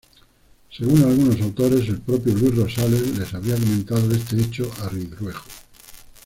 Según algunos autores, el propio Luis Rosales le habría comentado este hecho a Ridruejo.